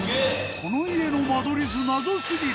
この間取り図謎過ぎる！